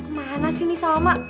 mana sih ini salma